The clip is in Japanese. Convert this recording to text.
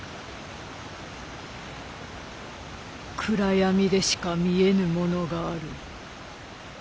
「暗闇でしか見えぬものがある。